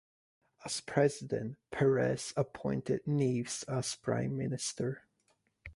As President, Pires appointed Neves as Prime Minister.